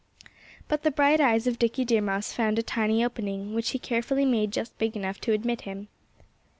But the bright eyes of Dickie Deer Mouse found a tiny opening, which he carefully made just big enough to admit him.